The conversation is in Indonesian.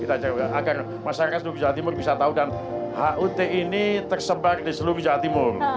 kita jaga agar masyarakat seluruh jawa timur bisa tahu dan hut ini tersebar di seluruh jawa timur